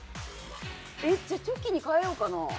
じゃあ、チョキに変えようかな。